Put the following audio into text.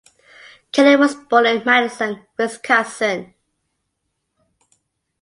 Kelly was born in Madison, Wisconsin.